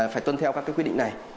phải tuân theo các quy định này